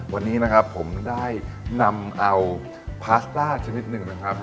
วันนี้นะครับผมได้นำเอาพาสต้าชนิดหนึ่งนะครับ